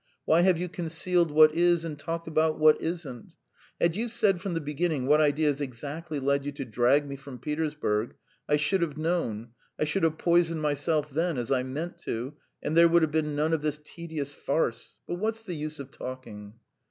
Why have you concealed what is and talked about what isn't? Had you said from the beginning what ideas exactly led you to drag me from Petersburg, I should have known. I should have poisoned myself then as I meant to, and there would have been none of this tedious farce. ... But what's the use of talking!"